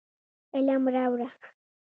علم راوړو.